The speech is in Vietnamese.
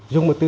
dùng một từ